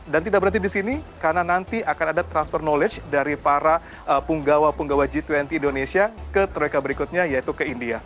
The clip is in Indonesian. dan tidak berhenti di sini karena nanti akan ada transfer knowledge dari para penggawa penggawa g dua puluh indonesia ke troika berikutnya yaitu ke india